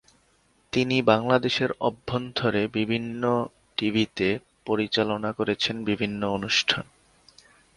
তিনি বাংলাদেশের অভ্যন্তরে বিভিন্ন টিভিতে পরিচালনা করেছেন বিভিন্ন অনুষ্ঠান।